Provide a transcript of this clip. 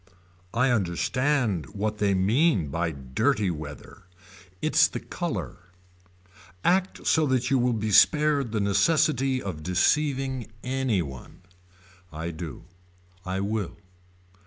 I understand what they mean by dirty weather. It's the color. Act so that you will be spared the necessity of deceiving anyone. I do. I will.